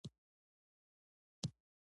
افغانستان د کوچیانو په اړه علمي څېړنې لري.